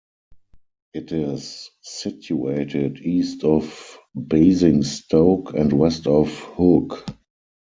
It is situated east of Basingstoke, and west of Hook.